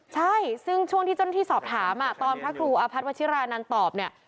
ใช่ซึ่งช่วงที่เจ้าหน้าที่สอบถามตอนพระครูอาพัฒนวชิรานันต์ตอบเนี่ย